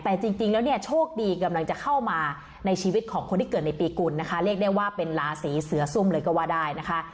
แต่จริงแล้วเนี่ยโชคดีกำลังจะเข้ามาในชีวิตของคนที่เกิดในปีกุลนะคะเรียกได้ว่าเป็นราศีเสือซุ่มเลยก็ว่าได้นะคะ